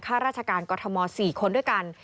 ข้าราชการกรทม๔คนด้วยกัน